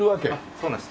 そうなんです。